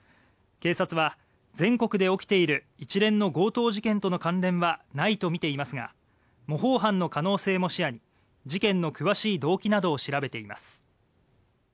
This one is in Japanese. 警察は全国で起きている一連の強盗事件との関連はないとみていますが模倣犯の可能性も視野に事件の詳しい動機などを調べています。